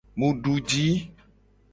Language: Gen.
Mu du ji.